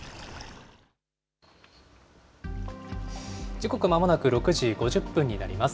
時刻まもなく６時５０分になります。